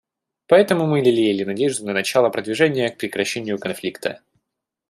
Поэтому мы лелеяли надежду на начало продвижения к прекращению конфликта.